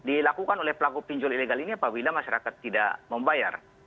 dilakukan oleh pelaku pinjol ilegal ini apabila masyarakat tidak membayar